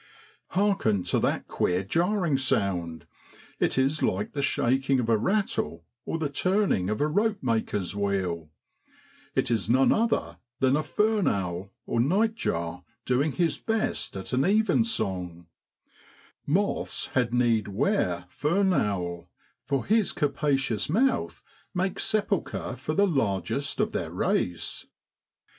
Harken to that queer jarring sound ! it is like the shaking of a rattle or the turning of a ropemaker's wheel. It is none other than a fern owl or night jar AUGUST IN BROADLAND. 81 doing his best at an even song. Moths had need ' ware ' fern owl, for his capa cious mouth makes sepulchre for the largest of their race.